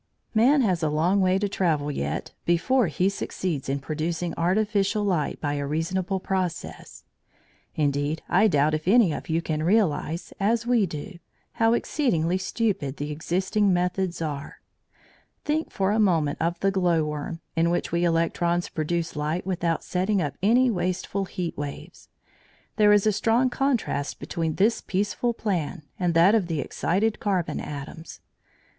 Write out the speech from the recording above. Man has a long way to travel yet before he succeeds in producing artificial light by a reasonable process. Indeed I doubt if any of you can realise, as we do, how exceedingly stupid the existing methods are. Think for a moment of the glow worm, in which we electrons produce light without setting up any wasteful heat waves. There is a strong contrast between this peaceful plan and that of the excited carbon atoms.